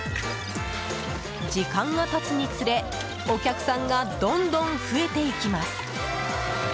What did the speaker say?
時間が経つにつれ、お客さんがどんどん増えていきます。